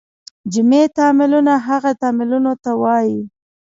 جمعي تعاملونه هغه تعاملونو ته وایي.